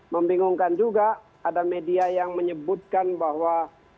membingungkan juga ada media yang menyebutkan bahwa